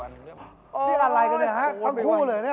นี่อะไรกันเนี่ยฮะทั้งคู่เลยเนี่ย